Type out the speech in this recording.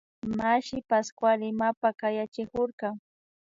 Mashi Pascual imapak kayachikurka